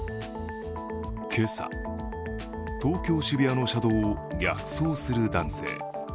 今朝、東京・渋谷の車道を逆走する男性。